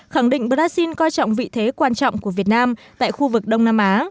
khẳng định brazil coi trọng vị thế quan trọng của việt nam tại khu vực đông nam á